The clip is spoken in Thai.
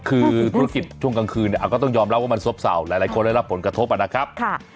คือภูติกิจช่วงกลางคืนก็ต้องยอมเล่าก็มันส้บสาวหลายคนได้รับผลกระทบอ่ะนะครับ